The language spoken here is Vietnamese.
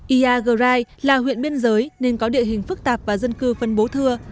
iagrai là huyện biên giới nên có địa hình phức tạp và dân cư phân bố thưa